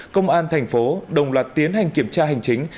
công an tp đồng lạt tiến hành kiểm tra hành chính